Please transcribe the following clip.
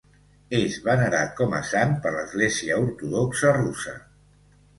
És venerat com a sant per l'Església Ortodoxa Russa.